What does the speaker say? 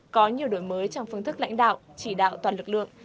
có nhiều đổi mới trong phương thức lãnh đạo chỉ đạo toàn lực lượng